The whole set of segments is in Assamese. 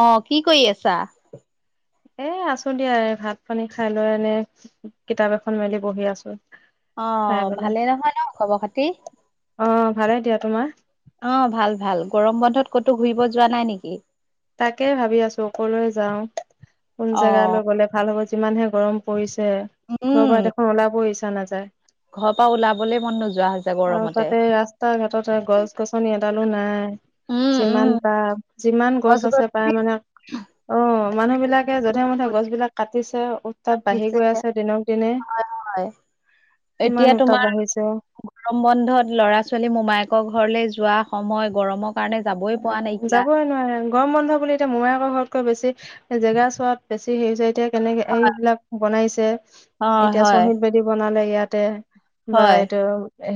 অ কি কৰি আছা এ আছো দিয়া ভাত পানী খাই লৈ এনে কিতাপ এখন মেলি বহি আছো অ চাই পেলাই ভালে নহয় ন খবৰ খাতি অ ভালে দিয়া তোমাৰ অ ভাল ভাল গৰম বন্ধত ক'তো ঘূৰিব যোৱা নাই নেকি তাকেই ভাবি আছো কলৈ যাওঁ কোন অ জেগালৈ গ'লে ভাল হ'ব যিমানহে গৰম পৰিছে ঘৰৰ পৰা উম দেখোন ওলাব ইচ্ছা নাযায় ঘৰৰ পৰা ওলাবলে মন নোযোৱা হৈছে আৰু গৰমতে। তাতে ৰাস্তা ঘাটত গছ গছনি এডালো নাই উম উম যিমান তাপ যিমান গছ ক আছে পায় মানে অ মানুহ বিলাকে জধে মধে গছ বিলাক কাটিছে উতাপ বাঢ়ি দিছে গৈ আছে দিনক দিনে হয় কিমান এতিয়া উতাপ তোমাৰ বাঢ়িছে গৰম বন্ধত ল'ৰা ছোৱালী মোমায়েকৰ ঘৰলে যোৱা সময় গৰমক অ যাবই নোৱাৰে আৰু গৰম বন্ধ বুলি এতিয়া মোমাইাকৈ ঘৰতকৈ বেছি জেগা চোৱাত বেছি হেৰি হৈছে এতিয়া কেনেকে এইবিলাক বনাইছে অ এতিয়া হয় চহীত বেদী বনালে ইয়াতে বা হয় এইটো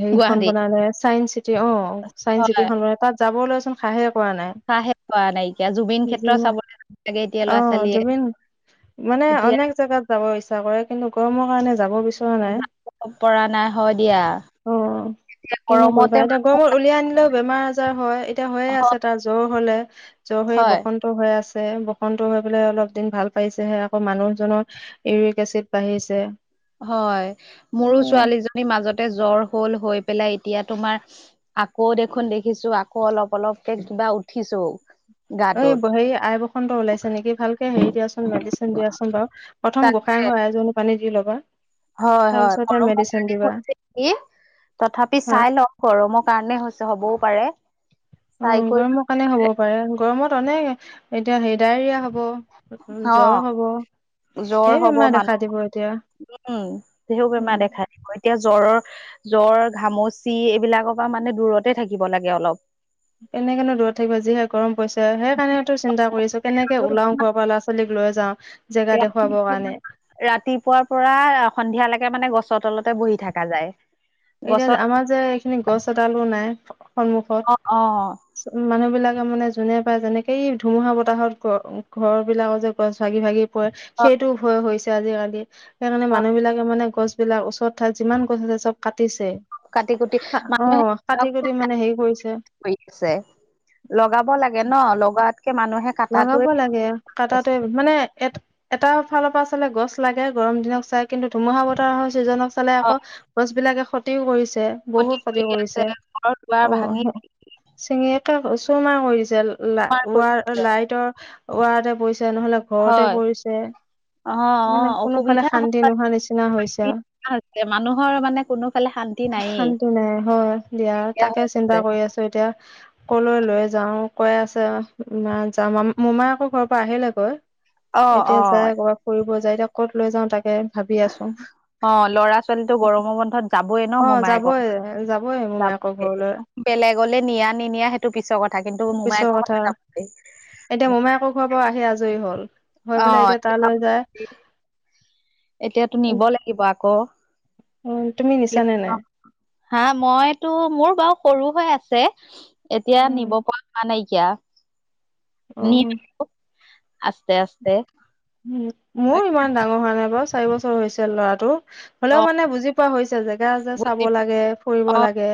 হেৰি খন গুৱাহাটী বনালে চাইস চিটি অ চাইন্স চিটি হয় খন বনালে তাত যাবলৈ খাহহে কৰা নাই চাহে নাইকিয়া জুবিন ক্ষেত্ৰ চাবলৈ [unintelligible] লাগে এতিয়া অ ল'ৰা ছোৱালীয়ে জুবিন মানে এতিয়া অনেক জেগাত যাব ইচ্ছা কৰে কিন্তু গৰমৰ কাৰণে যাব বিচৰা নাই যাব পৰা নাই হয় দিয়া অ কিনো গৰমতে কৰিবা এতিয়া মানুহ গৰমত উলিয়াই আনিলেও বেমাৰ আজাৰ হয় এতিয়া হৈয়ে আছে হয়, এটা জ্বৰ হলে জ্বৰ হৈ হয়, বসন্ত হৈ আছে বসন্ত হৈ পেলাই অলপ দিন ভাল পাইছেহে আকৌ মানুহজনৰ ইউৰিক এচিড বাঢ়িছে হয় মোৰো ছোৱালীজনীৰ মাজতে জ্বৰ হল হৈ পেলাই এতিয়া তোমাৰ আকৌ দেখোন দেখিছো আকৌ অলপ অলপকে কিবা উঠিছো এই গাটোত। হেৰি আই বসনত ওলাইছে নেকি ভালকে হেৰি দিয়াচোন মেডিচিন দিয়াচোন বাৰু প্ৰথম তাকে গোহাঁই ঘৰ আইএজনী পানী দি ল'বা হয় তাৰ হয় পিছতহে গৰমৰ মেডিচিন কাৰণে দিবা হৈছে নেকি তথাপি হা চাই লওঁ গৰমৰ কাৰণে হৈছে হ'বও পাৰে উ চাই কৰি গৰমৰ কাৰণে হ'ব পাৰে গৰমত অনেক এতিয়া হেৰি ডায়েৰিয়া হব জ্বৰ অ' হব ধেৰ জ্বৰ হব বেমাৰ দেখা দিব এতিয়া মানুহৰ [unintelligible] বেমাৰ উম দেখা দিয়ে এতিয়া জ্বৰৰ জ্বৰ ঘামচি এইবিলাকৰ পৰা মানে দূৰতে থাকিব লাগে অলপ এনেকা নু দূৰত থাকিব যি হে গৰম পৰছ সেই কাৰণে তো চিন্তা কৰিছো কেনেকে উলাও ঘৰৰ পৰা ল'ৰা ছোৱালীক লৈ যাও জেগা দেখুৱাবৰ ৰাতিপুৱা কাৰণে ৰাতিপুৱাৰ পৰা সন্ধিয়ালেকে মানে গছৰ তলতে বহি থাকা যায় এতিয়া গছত আমাৰ যে এইখিনি গছ এডালো নাই অ অ সন্মুখত মানুহ বিলাকে মানে যোনে পায় যেনেকেই ধুমুহা বতাহত ঘ ঘৰ বিলাকত যে গছ ভাগি ভাগি পৰে অ সেইটো ভয় হৈছে আজিকালি সেইকাৰণে অ মানুহ বিলাকে মানে গছ বিলাক ওচৰত ঠাইত যিমান গছ আছে চব কাটিছে কাটি কুটি কা অ কাটি কুটি মানে হেৰি কৰিছে কই-ছে লগাব লাগে ন লগাতকে মানুহে লগাব কাটাটোৱে লাগে কাটাতে মানে এট এটা ফালৰ পৰা চালে গছ লাগে গৰম দিনক চাই কিন্তু ধুমুহা বতাহৰ চিজনত চালে অ আকৌ গছ বিলাকে ক্ষতিও কৰিছে বহুত কৰি ক্ষতি আছে কৰিছে ঘৰ দুৱাৰ অ ভাঙি চিঙিয়ে ত ওচোমা কৰিছে লা চুৰমাৰ কৰি উৱাৰ লাইটৰ ৱাৰতে পৰিছে নহলে ঘৰতে হয় পৰিছে অ অ মানে কোনোফালে অসুবিধা শান্তি নোহোৱা নিচিনা হৈছে আও হৈছে মানুহৰ মানে কোনোফালে শান্তি নায়েই। শান্তি নাই হয় দিয়া তাকে চিন্তা কৰি আছ এতিয়া কলৈ লৈ যাও কৈ আছে মা যাম মোমায়েকৰ ঘৰৰ পৰা আহিলেগৈ অ অ এতিয়া যাই কবাত ফুৰিব যায় এতিয়া ক'ত লৈ যাওঁ তাকে ভাবি আছো অ ল'ৰা ছোৱালীটো গৰমৰ বন্ধত যাবই ন অ যাবই যাবই মোমায়েকৰ মোমায়েকৰ ঘৰলৈ বেলেগলে নিয়া নিনিয়া সেইটো পিছৰ কথা কিন্তু পিছৰ মোমায়েকৰ কথা ঘৰলে যাবয়ে এতিয়া মোমায়েকৰ ঘৰৰ পা আহি আজৰি হল হৈ অ পেলাই এতিয়া তালৈ যায় যাবই। এতিয়াতো নিব লাগিব আকৌ অ তুমি নিছানে নাই হা মইতো মোৰ বাও সৰু হৈ আছে এতিয়া অ নিব পৰা হোৱা নাইকীয়া অ নিতো আস্তে আস্তে উম মোও ইমান ডাঙৰ হোৱা নাই বাৰু চাৰি বছৰ হৈছে ল'ৰাটো অ হ'লেও মানে বুজি পোৱা হৈছে জেগা যে চাব বুজি লাগে ফুৰিব অ লাগে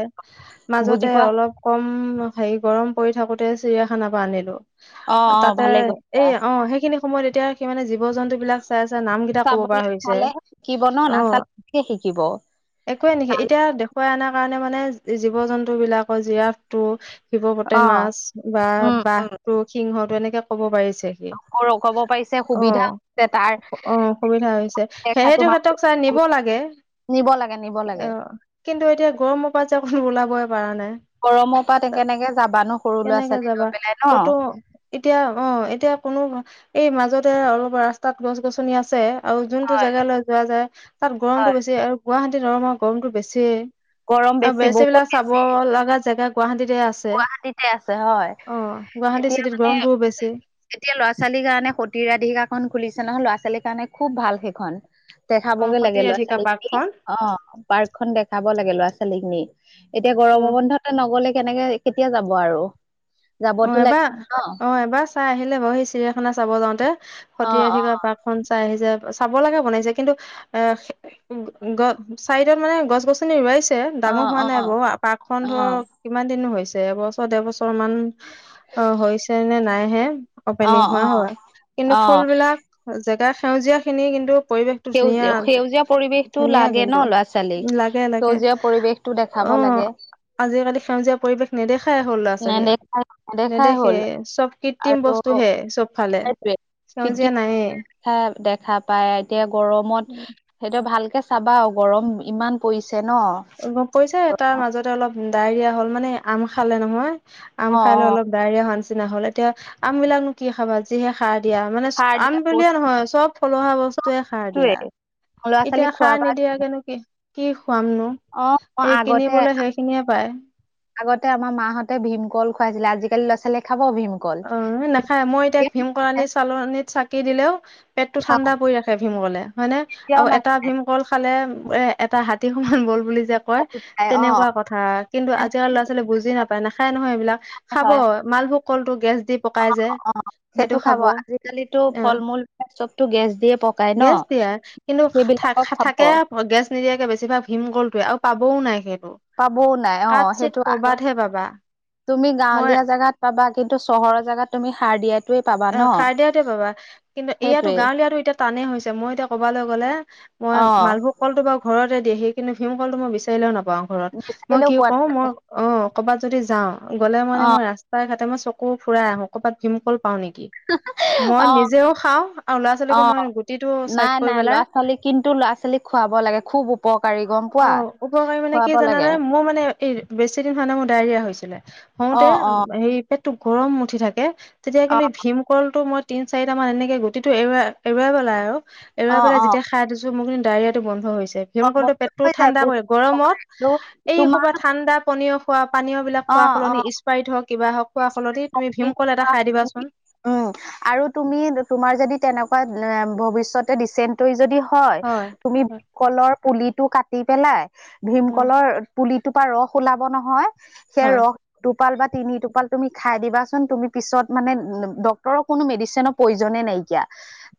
বুজি মাজতে পোৱা অলপ কম হেৰি গৰম পৰি থাকোতে চিৰিয়াখানা পা আনিলো অ অ তাতে ভালে কৰিছা এই অ সেইখিনি সময়ত এতিয়া সি মানে জীৱ জন্তু বিলাক চাই চাই নাম গিটা কব পৰা চাবলে হৈছে অ হে শিকিব একোৱে নিকি এতিয়া দেখুৱাই আনাৰ কাৰণে মানে জীৱ জন্তু বিলাকৰ জিৰাফ টো অ হিবপতেমাছ বা উম উম বাঘটো সিংহটো এনেকে ক'ব পাৰিছে কে ক'ব পাৰিছে অ সুবিধা হৈছে তাৰ অ অসুবিধা হৈছে দেখাতো সেহেতক হাতক চাই নিব লাগে নিব লাগে নিব লাগে অ কিন্তু এতিয়া গৰমৰ পা যে ওলাবই পৱা নাই গৰমৰ পা তে কেনেকে যাবানো সৰু ল'ৰা কেনেকে ছোৱালী যাবা লৈ পেলাই ন ক'তো এতিয়া অ এতিয়া কোনো এই মাজতে অলপ ৰাস্তাত গছ গছনি আছে আৰু যোনটো হয় জেগালৈ যোৱা যায় তাত গৰমটো হয় বেছি আৰু গুৱাহাটী অলমান গৰমটো বেছি গৰম আৰু বেছি বহুত বিলাক চাব বেছি লাগা জেগা গুৱাহাটীতে আছে তে গুৱাহাটীতে আছে হয় অ গুৱাহাটী এতিয়া চিটিত মানে গৰমটোও বেছি এতিয়া ল'ৰা ছোৱালীৰ কাৰণে সতী ৰাধিকাখন খুলিছে নহয় ল'ৰা ছোৱালীৰ কাৰণে খুব ভাল সেইখন অ দেখাবগে সতি লাগে ল'ৰা ৰাধিকা ছোৱালীক নি পাৰ্কখন অ পাৰ্ক খন দেখাব লাগে ল'ৰা ছোৱালীক নি এতিয়া অ গৰম বন্ধতে নগলে কেনেকে কেতিয়া যাব আৰু। অঁ যাবতো এবাৰ লাগিব ন অঁ' এবাৰ চাই আহিলে বাৰু সেই চিৰিয়াখানা চাব যাওঁতে অ সতিৰাধিক পাক- খন চাই আহিছে, চাব লগে বনাইছে কিন্তু এ গ চাইডত মানে গছ গছ- নি ৰুৱাইছে অ ডাঙৰ হোৱা অ অ নাই বাৰু পাৰ্কখন অ ধৰ কিমান দিননো হৈছে এবছৰ ডেৰবছৰ মান অঁ' হৈছে নে নাই হে অপেনিং হোৱা অ হয় অ কিন্তু অ ফুল বিলাক জেগাৰ সেউজীয়া খিনি কিন্তু পৰিৱেশটো ধুনীয়া সেউজীয়া-সেউজীয়া পৰিৱেশটো ধুনীয়া লাগে কিন্তু ন' ল'ৰা-ছোৱালীক, লাগে লাগে সেউজীয়া পৰিৱেশ টো দেখাব অ লাগে। আজিকালি সেউজীয়া পৰিৱেশ নেদেখাই হ'ল ল'ৰা ছোৱালীয়ে। নেদেখা নেদেখাই নেদেখে হ'ল চ'ব কৃত্ৰিম বস্তু হে চ'ব ফালে। সেউজীয়া নাইয়ে কেতিয়া [unintelligible] দেখা পায়। এতিয়া গৰমত সেইটো ভালকে চাবা আৰু গৰম ইমান পৰিছে ন'। গৰম পৰিছে তাৰ অ মাজতে অলপ ডাৱৰিয়া হ'ল মানে আম খালে নহয়, আম অ খাই অলপ ডাৱৰিয়া হোৱা নিচিনা হ'ল, এতিয়া আম বিলাকনো কি খাবা যিহে সাৰ দিয়া মানে সাৰ দিয়া আম বোলিয়ে নহয় চ'ব ফলুৱা বস্তুৱে সাৰ দিয়া। বস্তুৱে ল'ৰা এতিয়া ছোৱালীক সাৰ খোৱাবা নিদিয়া কেনো কি, কি খুৱামনো। অ অ এই আগতে কিনিবলে সেইখিনিয়ে পায়। আগতে আমাৰ মাহঁতে ভীম কল খুৱাইছিলে, আজিকালি ল'ৰা-ছোৱালীয়ে খাব ভীম কল। অঁ নাখায়, মই এতিয়া ভীম চালনিত চাকি দিলেও পেট টো ঠাণ্ডা পৰি ৰাখে ভীম কলে, হয়নে এতিয়াও আৰু এটা ভীম কল খালে এ এটা হাতীৰ সমান বল বুলি যে কয় নাখায়, অ তেনেকুৱা কথা কিন্তু আজিকালি ল'ৰা-ছোৱালী বুজি নাপায়, নাখায় নহয় এইবিলাক। খাব নাখায় মালভোগ কলটো গেছ দি পকাই যে। অ সেইটো খাব, আজিকালিতো ফল-মূল চবতো গেছ দিয়ে পকাই ন'। গেছ দিয়ে কিন্তু থা সেইবিলাকক খাব থাকে গেছ নিদিয়াকে বেছিভাগ ভীমকলটোৱে আৰু পাবও নাই সেইটো। পাবও নাই কাট অঁ, চিত সেইটো আগ কৰবাতহে পাবা তুমি মই গাঁৱলীয়া জাগাত পাবা কিন্তু চহৰৰ জেগাত তুমি সাৰ দিয়া অঁ, সাৰ দিয়াটোয়ে পাবা। কিন্তু এয়াতো সেইটোৱে গাঁৱলীয়াটো এতিয়া টানেই হৈছে, মই এতিয়া কৰবালৈ গ'লে মই অ মালভোগ কলটো বাৰু ঘৰতে দিয়ে সি কিন্তু ভীম কলটো মই বিচাৰিলেও নাপাওঁ। ঘৰত, মই বিচাৰিলেও কি পোৱা কৰো নাযায় মই অঁ' কৰ'বাত যদি যাওঁ গ'লে মানে অ মই ৰা স্তাই ঘাটে মই চকু ফুৰাই আহো ক'ৰবাত ভীমকল পাওঁ নেকি। মই অ নিজেও খাওঁ আৰু অ ল'ৰা-ছোৱালীকো মই গুটিটো নাই চাইড কৰি নাই ল'ৰা পেলাই ছোৱালী কিন্তু ল'ৰা-ছোৱালীক খুৱাব লাগে খুব উপকাৰী গ অঁ উপকাৰী মানে কি জানানে মোৰ মানে বেছিদিন হোৱা নাই মোৰ ডায়েৰিয়া হৈছিলে। অ হওঁতে অ সেই পেটটো গৰম উঠি থাকে তেতিয়া অ কিন্তু ভীম কলটো মই তিন চাৰিটা মান এনেকে গুটিটো এৰুৱাই এৰুৱাই পেলাই আৰু এৰুৱাই অ পেলাই অ যেতিয়া খাই দিছো মোৰ কিন্তু ডায়েৰিয়াটো বন্ধ হৈছে, অ ভীমকলটোৱে বস্তু পেটটো হৈ যায় ঠাণ্ডা কৰে বস্তু গৰমত এই তোমাৰ ঠাণ্ডা পনীয় খোৱা পানীয় বিলাক অ খোৱা অ সলনি স্পাৰীত হওক, কিবা হওক খোৱা সলনি তুমি ভীমকল এটা খাই দিবাচোন। উম আৰু তুমি তোমাৰ যদি তেনেকুৱা ভৱিষ্যতে দিচেণ্ট যদি হয়, তুমি ভীমকলৰ পুলিটো কাটি পেলাই ভীমকলৰ পুলিটোৰ পৰা ৰস ওলাব নহয় সেই হয় ৰস টোপাল বা তিনি টোপাল তুমি খাই দিবাচোন তুমি পিছত মানে ডক্তৰৰ কোনো মেডিচিনত প্ৰয়োজনে নাইকিয়া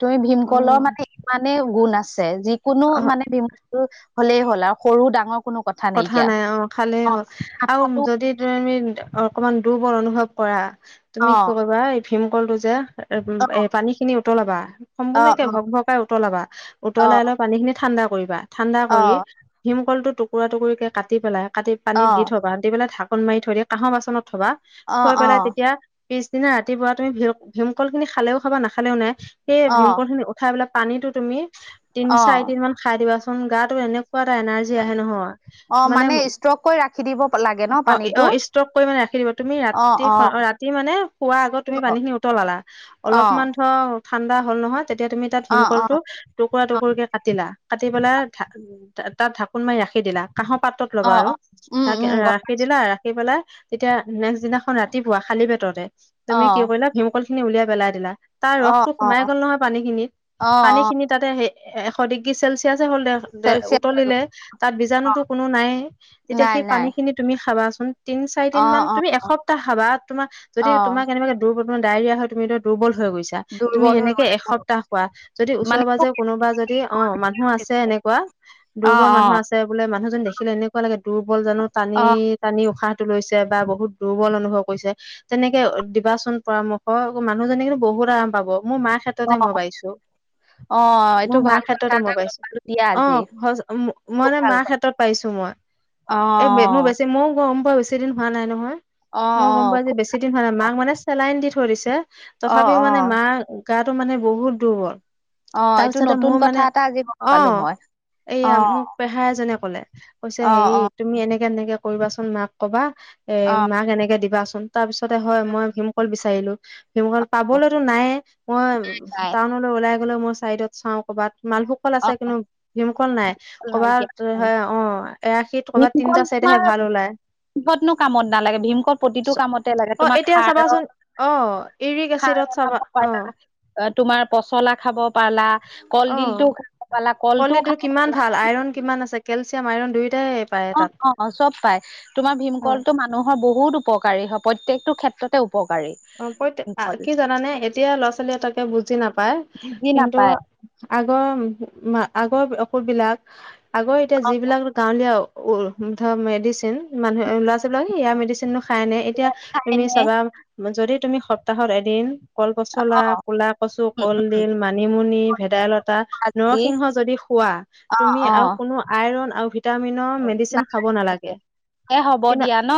তই ভীমকলৰ মানে ইমানেই গুণ আছে যিকোনো অ মানে ভীম কল হলেই হ'ল আৰু সৰু ডাঙৰ কোনো কথা নাইকিয়া নাই অ খালে অ হল আৰু আঠাটো যদি তুমি অকমান দুৰ্বল অনুভৱ কৰা তুমি অ কি কৰিবা ভীমকলটো যে অ এ পানী খিনি উতলাবা অ সম্পূৰ্ণকে ভক ভকাই উতলাবা অ অ উতলাই লোৱা পানী খিনি ঠাণ্ডা কৰিবা ঠাণ্ডা অ কৰি ভীমকল টো টুকুৰা টুকুৰিকে কাটি পেলাই কাটি পানীত অ। দি থবা দি পেলাই ঢাকোন মাৰি থৈ দি কাঁহৰ বাচনত থবা অ', থৈ পেলাই অ', তেতিয়া পিছদিনা ৰাতিপুৱা তুমি ভ ভীমকল খিনি খালেও খাবা নাখালেও নাই সেই অ', ভীমকল খিনি উত খাই পেলাই পানীতো তুমি তিন চাৰি অ', দিন মান খাই দিবাচোন গাতো এনেকুৱা এটা এনাৰ্জি আহে নহয় অ', মানে ষ্ট্ৰক কৰি ৰাখি দিব লাগে ন অ পানীটো? অ ষ্ট্ৰক কৰি মানে ৰাখি দিব তুমি অ', ৰাতি অ', ৰাতি ৰাতি মানে শোৱাৰ আগত তুমি অ', পানী খিনি উতলালা অ', অলপমান হ ঠাণ্ডা হ'ল নহয় তেতিয়া তুমি তাত অ', অ', ভীমকলটো টুকুৰা টুকুৰকে কাটিলা কাটি পেলাই থা উ তাত ঢাকোন মাৰি ৰাখি দিলা কাঁহৰ পাত্ৰত ল'বা অ', আৰু অ', উম, তাক উম, গম ৰাখি দিলা ৰাখি পেলাই তেতিয়া নেক্স দিনাখন খন ৰাতিপুৱা খালী পেটতে তুমি কি অ', কৰিলা ভীমকল খিনি উলিয়াই পেলাই দিলা তাৰ অ', ৰসটো সোমাই অ', গ'ল নহয় পানী খিনিত অ', পানী অ', খিনিত তাতে এশ ডিগ্ৰী চেলচিয়াছে হ'ল দে চেলচিয়াছ আৰু উতলিলে তাত বীজাণুটো অ', কোনো নাই এ তেতিয়া নাই, সেই পানী নাই, খিনি তুমি খাবাচোন তিন চাৰিদিন মান অ', অ', তুমি এসপ্তাহ খাবা তোমাৰ যদি তোমাক অ', কেনেবাকে তোৰ বৰ্তমান ডায়েৰিয়া হৈ তুমিটো দুৰ্বল হৈ গৈছা তুমি দুৰ্বল হৈ হেনেকে গ'লে অ', এসপ্তাহ খোৱা যদি ওচৰে মানে খুব পাজৰে কোনোবা যদি অ মানুহ আছে এনেকুৱা অ', দুৰ্বল মানুহ অ', আছে এতিয়া বোলে মানুহজন দেখিলে এনেকুৱা লাগে দুৰ্বল জানো টানি অ', টানি উশাহ টো লৈছে বা বহুত দুৰ্বল অনুভৱ হৈছে তেনেকে দিবাচোন পৰামৰ্শ মানুহ জনে কিন্তু বহুত আৰাম পাব মোৰ মা ক্ষেত্ৰতে অ', মই পাইছো অ', এইটো মোৰ মাৰ ভাল কথা ক্ষেত্ৰতে মই এটা গম পালো দিয়া পাইছো আজি। অ খুব মই ভাল মাৰ কথা, ক্ষেত্ৰত ত পাইছো মই এই মোৰ অ', বেছি মইও গম পোৱা বেছি দিন হোৱা নাই নহয় অ', অ', মই গম অ পোৱা আজি খুব বেছি দিন হোৱা নাই ভাল। মাক মানে চেলাইন দি থৈ দিছে অ', তথাপিও মানে অ', মা গাটো মানে বহুত দুৰ্বল অ', তাৰ এইটো পিছতে নতুন মোৰ কথা মানে এটা আজি গম অ পালো মই, এইয়া অ'। মোক পেহাৰ এজনে কলে কৈছে অ', হেৰি অ', তুমি এনেকে এনেকে কৰিবাচোন মাক কবা এ অ', মাক এনেকে দিবাচোন তাৰ পিছতে হয় মই ভীমকল বিচাৰিলো ভীমকল অ', পাবলৈতো নাইয়েই মই পাই টাউনলৈ ওলাই গ'লে মোৰ চাইডত চাও কৰ'বাত মালভোগ ক'ল অ', আছে কিন্তু ভীমকল নাই, কৰ'বাত নাইকিয়া উম, হয় অ এৰাশীত কৰ'বাত তিনিটা চাৰিতাহে ভাল ওলায় ক'তনো কামত নালাগে ভীমকল প্ৰতিটো কামতে লাগে তোমাৰ খাৰৰ অঁ [unintelligible] [unintelligible] তোমাৰ পচলা খাব পালা অ কলডিলটো খাব পালা কলটো কলডিলটো খাব কিমান ভাল আইৰন কিমান আছে কেলচিয়াম আইৰন দুয়োটাই পায় অ তাত অ অ চব পাই তোমাৰ হয় ভীমকলটো মান নহয় বহুত উপকাৰী প্ৰত্যেকটো ক্ষেত্ৰতে উপকাৰী অ কৈ থাকা ভীমকল কি জানানে এতিয়া ল'ৰা-ছোৱালী এ তাকে বুজি নাপায় বুজি কিন্তু নাপায় আগৰ-মা, আগৰ অসুৰবিলাক আগৰ এতিয়া যিবিলাক গাৱঁলীয়া ঔ দ মেডিচিন মানুহে ল'ৰা-ছোৱালীবিলাক ইয়াৰ মেডিচিনো খাই নে? এতিয়া তুমি খাইনে চাবা যদি তুমি সপ্তাহত এদিন কল-পচলা, অ', ক'লা-কচু, কলডিল, মানিমুনি, ভেদাইলতা ভাজি নৰসিংহ যদি খোৱা, অ', তুমি আৰু অ', কোনো আইৰণ আৰু ভিটামিন একদম মেডিচিন খাব নালাগে। এ হ'ব কিমান, দিয়া ন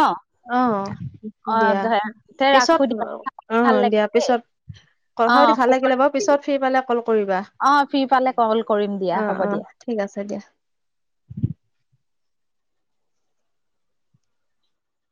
অ', অ', অ', দিয়া। দে পিছত ৰাখো দিয়া ভাল অ' লাগিল দিয়া, দেই পিছত কথাপাতি অ' ভাল লাগিলে বাৰু। শুভৰাত্ৰি। পিছত ফ্ৰী পালে ক'ল কৰিবা। অ' ফ্ৰী পালে ক'ল কৰিম দিয়া অ' হ'ব অ' দিয়া। ঠিক আছে দিয়া।